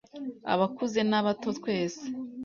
Abakuze n abato twese